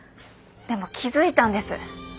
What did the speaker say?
でも気付いたんです。